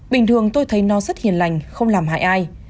bình thường tôi thấy nó rất hiền lành không làm hại ai